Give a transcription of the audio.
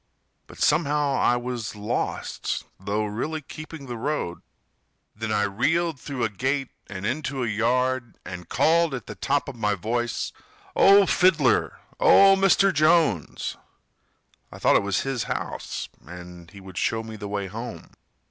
But somehow I was lost, Though really keeping the road. Then I reeled through a gate and into a yard, And called at the top of my voice: "Oh, Fiddler! Oh, Mr. Jones!" (I thought it was his house and he would show me the way home.